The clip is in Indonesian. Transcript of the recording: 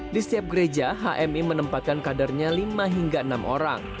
di setiap gereja hmi menempatkan kadernya lima hingga enam orang